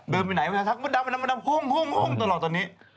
เดินไปไหนมดดำมดดำมดดำห่มห่มตลอดตอนนี้